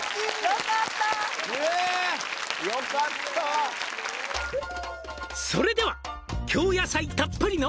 ・よかったえっ・よかった「それでは京野菜たっぷりの」